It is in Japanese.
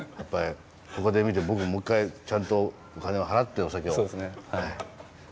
ここで見て僕もう一回ちゃんとお金を払ってお酒を買いました。